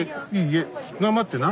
頑張ってな。